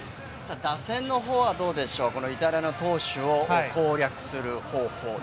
打線のほうはどうでしょうイタリアの投手を攻略する方法は。